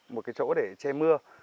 một cái chỗ để che mưa